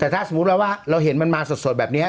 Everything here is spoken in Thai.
แต่ถ้าสมมุติเราว่าเราเห็นมันมาสดแบบนี้